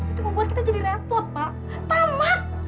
itu membuat kita jadi repot pak tamat